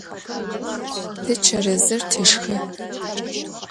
Te çerezır teşşxı.